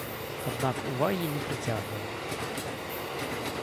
Аднак увагі не прыцягваем.